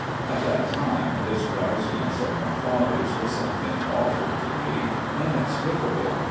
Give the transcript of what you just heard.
At that time, this drowsiness of my father's was something awful to me, inexplicable.